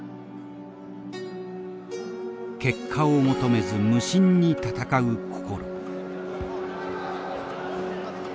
結果を求めず無心に戦う心。